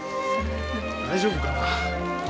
大丈夫かな。